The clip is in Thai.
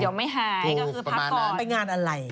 เดี๋ยวไม่หายก็คือพักก่อนไปงานอะไร